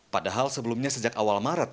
padahal sebelumnya sejak awal maret